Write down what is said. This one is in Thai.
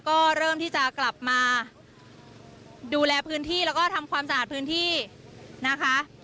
ก็เริ่มที่จะกลับมาดูแลพื้นที่แล้วก็ทำความสะอาดพื้นที่นะคะ